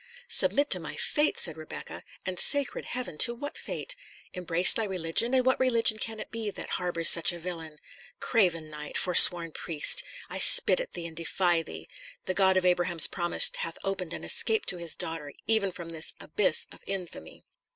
"Submit to my fate!" said Rebecca, "and, sacred Heaven! to what fate? Embrace thy religion, and what religion can it be that harbours such a villain? Craven knight! forsworn priest! I spit at thee and I defy thee. The God of Abraham's promise hath opened an escape to His daughter, even from this abyss of infamy!"